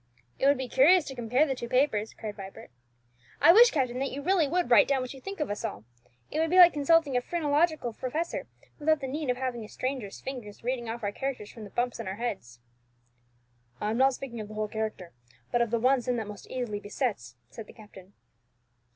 "It would be curious to compare the two papers," cried Vibert. "I wish, captain, that you really would write down what you think of us all. It would be like consulting a phrenological professor, without the need of having a stranger's fingers reading off our characters from the bumps on our heads." "I am not speaking of the whole character, but of the one sin that most easily besets," said the captain.